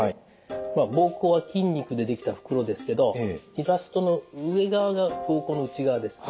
膀胱は筋肉で出来た袋ですけどイラストの上側が膀胱の内側です。